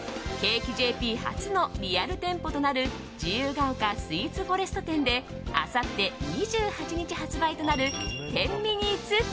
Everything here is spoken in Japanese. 初のリアル店舗となる自由が丘スイーツフォレスト店であさって２８日発売となる１０